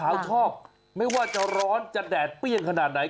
ชอบไม่ว่าจะร้อนจะแดดเปรี้ยงขนาดไหน